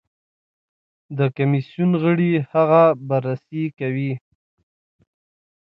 د کمېسیون غړي هغه بررسي کوي.